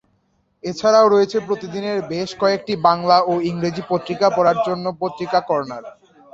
এছাড়াও রয়েছে প্রতিদিনের বেশ কয়েকটি বাংলা ও ইংরেজি পত্রিকা পড়ার জন্য পত্রিকা কর্নার।